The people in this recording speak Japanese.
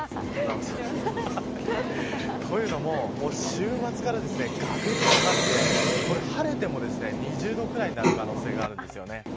というのも、週末からがくんと下がって晴れても２０度くらいになる可能性があるんです。